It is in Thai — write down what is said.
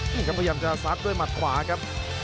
พยายามจะซักด้วมัดขวาครับ